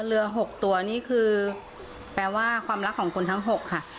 ๖ตัวนี่คือแปลว่าความรักของคนทั้ง๖ค่ะ